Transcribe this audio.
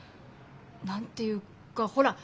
何て言うかほらっ